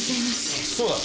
あそうだ。